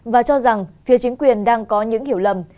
và cho rằng phía chính quyền đang có những hiểu lầm